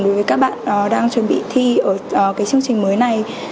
đối với các bạn đang chuẩn bị thi ở cái chương trình mới này